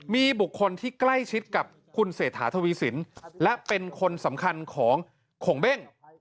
มีบุคคลที่ใกล้ชิดกับคุณเศรษฐาทวีสินและเป็นคนสำคัญของโขงเบ้ง